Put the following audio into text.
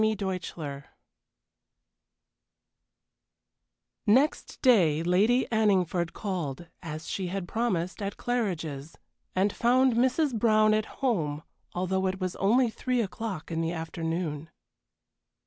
XVIII Next day Lady Anningford called, as she had promised, at Claridge's, and found Mrs. Brown at home, although it was only three o'clock in the afternoon.